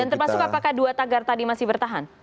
dan termasuk apakah dua tagar tadi masih bertahan